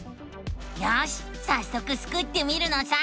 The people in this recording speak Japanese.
よしさっそくスクってみるのさ！